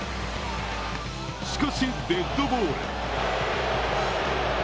しかしデッドボール。